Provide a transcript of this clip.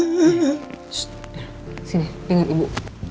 ssst sini dengan ibu